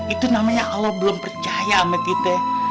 itu namanya allah belum percaya sama kita